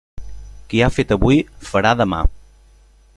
Qui ha fet avui, farà demà.